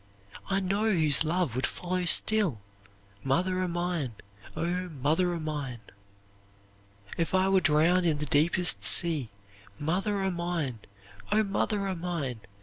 I know whose love would follow still, Mother o' mine, O mother o' mine! "'If I were drowned in the deepest sea, Mother o' mine, O mother o' mine!